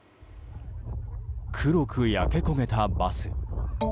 黒く焼け焦げたバス。